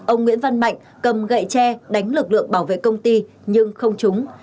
ông nguyễn văn mạnh cầm gậy tre đánh lực lượng bảo vệ công ty nhưng không trúng